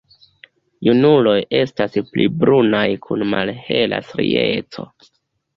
Junuloj estas pli brunaj kun malhela strieco.